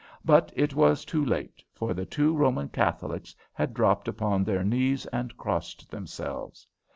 But it was too late, for the two Roman Catholics had dropped upon their knees and crossed themselves.